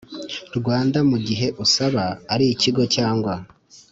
Rwanda mu gihe usaba ari ikigo cyangwa